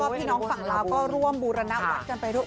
พี่น้องฝั่งเราก็ร่วมบุรนาบรัฐกันไป